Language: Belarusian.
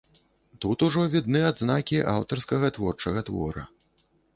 Тут ужо відны адзнакі аўтарскага творчага твора.